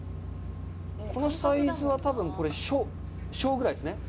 このサイズは多分これ小、小ぐらいですね。